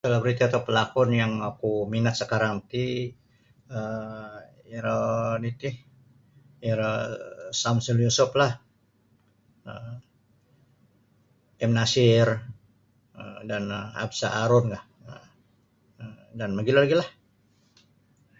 Kalau dicakap pelakun yang aku minat sekarang tih um era anu tih um era um Samsul Yusup lah um M. Nasir um dan Habsah Harun ka um dan mogilo lagi lah.